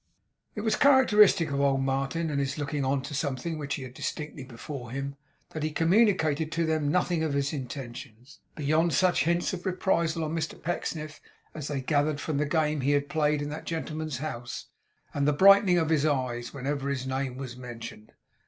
It was characteristic of old Martin, and his looking on to something which he had distinctly before him, that he communicated to them nothing of his intentions, beyond such hints of reprisal on Mr Pecksniff as they gathered from the game he had played in that gentleman's house, and the brightening of his eyes whenever his name was mentioned.